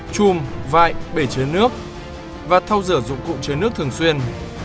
chùm vại bể chứa nước và thâu rửa dụng cụ chứa nước thường xuyên